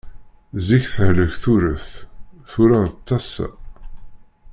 Zik tehlek turet, tura d tasa.